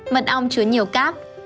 mật ong chứa nhiều cáp